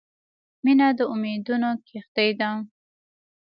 • مینه د امیدونو کښتۍ ده.